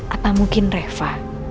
atau mungkin reva